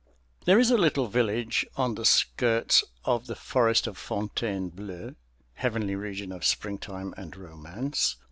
There is a little village on the skirts of the Forest of Fontainebleau (heavenly region of springtime and romance!)